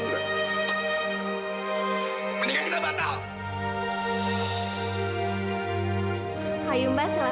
ini semuanya salah